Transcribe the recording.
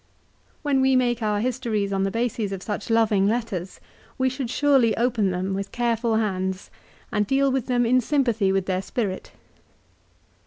When we make our histories on the bases of such loving letters, we should surely open them with careful hands, and deal with them in sympathy with their spirit.